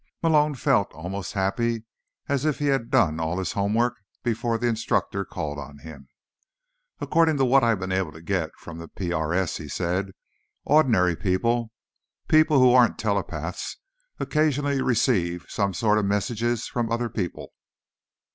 Malone felt almost happy, as if he had done all his homework before the instructor called on him. "According to what I've been able to get from the PRS," he said, "ordinary people—people who aren't telepaths—occasionally receive some sort of messages from other people."